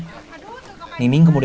nining kemudian langsung ke rumah sakit